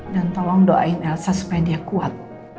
dan tolong doain elsa supaya dia kuat